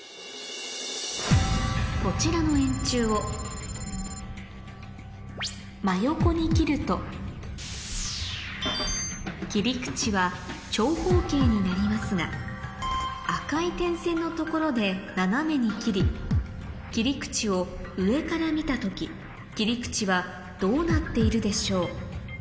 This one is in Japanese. こちらの円柱を真横に切ると切り口は長方形になりますが赤い点線の所で斜めに切り切り口を上から見た時切り口はどうなっているでしょう？